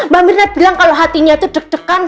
mbak mirna bilang kalau hatinya itu deg degan